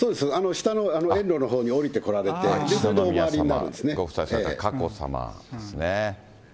下の園路のほうに下りてこられて、ご夫妻、佳子さまですね。